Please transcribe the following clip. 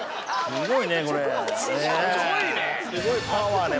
すごいパワーね。